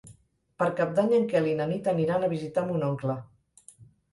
Per Cap d'Any en Quel i na Nit aniran a visitar mon oncle.